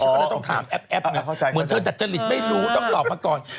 ฉันก็ต้องถามแอ๊บเนี่ยเหมือนเธอตัดจริตไม่รู้ต้องหลอกมาก่อนอ่อค่ะ